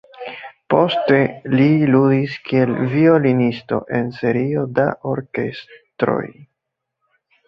Poste li ludis kiel violonisto en serio da orkestroj.